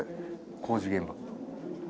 工事現場。